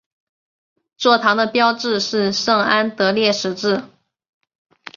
座堂的标志是圣安德烈十字。